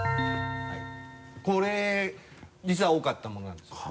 これ実は多かったものなんですよ